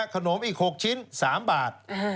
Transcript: ขนมอีก๖ชิ้น๓บาท